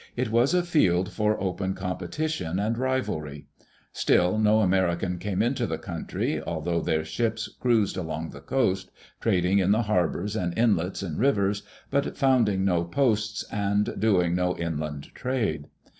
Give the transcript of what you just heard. It was a field for open compe tition and rivalry; still no Americans came into the country, although their ships cruised along the coast, trading in the harbors and inlets and rivers, but founding no posts and doing no inland trade.